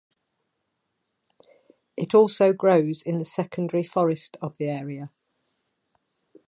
It also grows in the secondary forest of the area.